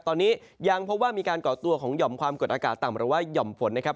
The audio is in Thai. ตอนนี้ยังพบว่ามีการก่อตัวของหย่อมความกดอากาศต่ำหรือว่าหย่อมฝนนะครับ